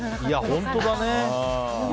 本当だね。